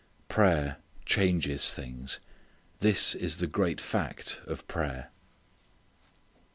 Prayer changes things. This is the great fact of prayer.